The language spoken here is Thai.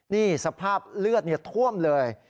นี่สภาพเลือดท่วมเลย